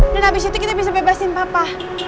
dan abis itu kita bisa bebasin papa